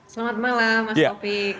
selamat malam mas topik